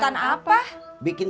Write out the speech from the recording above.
jangan lupa liat video ini